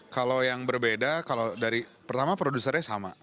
kalau yang berbeda pertama produsernya sama